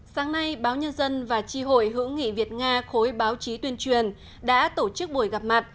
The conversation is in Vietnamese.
sáng nay báo nhân dân và tri hội hữu nghị việt nga khối báo chí tuyên truyền đã tổ chức buổi gặp mặt